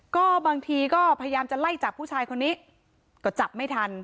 ก็บางทีก็พยายามจะไล่จับผู้ชายคนนี้ก็จับไม่ทัน